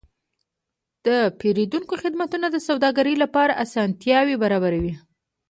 د پیرودونکو خدمتونه د سوداګرو لپاره اسانتیاوې برابروي.